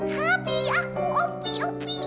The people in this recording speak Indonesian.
hah pilih aku opi opi